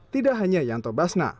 tidak hanya yanto basna